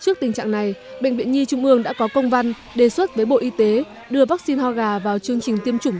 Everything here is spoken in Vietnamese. trước tình trạng này bệnh viện nhi trung ương đã có công văn đề xuất với bộ y tế đưa vaccine ho gà vào chương trình tiêm chủng